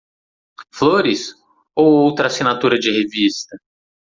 Flores? Ou outra assinatura de revista?